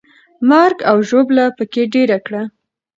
مرګ او ژوبله پکې ډېره کړه.